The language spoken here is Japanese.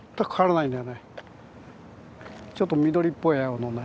ちょっと緑っぽい青のね